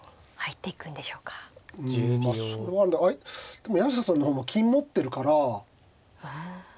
でも八代さんの方も金持ってるから。